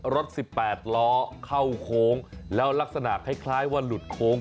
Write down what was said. รถ๑๘ล้อเข้าโค้งแล้วลักษณะคล้ายว่าหลุดโค้ง